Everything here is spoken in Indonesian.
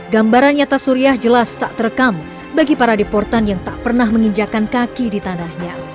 gambaran nyata suriah jelas tak terekam bagi para deportan yang tak pernah menginjakan kaki di tanahnya